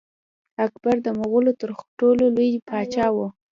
اکبر د مغولو تر ټولو لوی پاچا و.